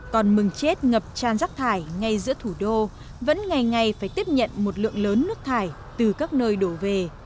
còn mừng chết ngập tràn rác thải ngay giữa thủ đô vẫn ngày ngày phải tiếp nhận một lượng lớn nước thải từ các nơi đổ về